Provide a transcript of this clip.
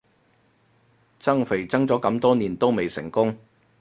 增肥增咗咁多年都未成功